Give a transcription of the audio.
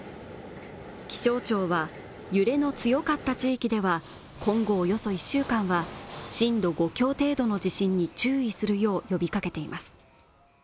気象庁は揺れの強かった地域では今後およそ１週間は震度５強程度の地震に注意するよう呼びかけています